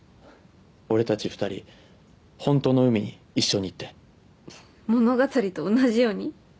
俺たち２人ホントの海に一緒に行って物語と同じように？